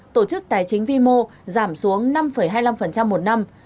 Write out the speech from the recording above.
tổ chức tài chính vimo giảm xuống năm hai mươi năm một năm